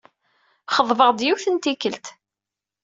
Xeḍbeɣ-d, yiwet n tikkelt.